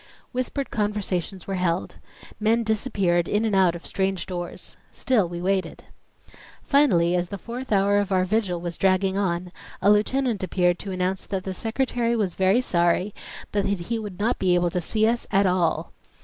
Whispered conversations were held. Men disappeared in and out of strange doors. Still we waited. Finally as the fourth hour of our vigil was dragging on, a lieutenant appeared to announce that the Secretary was very sorry but that he would not be able to see us "at all."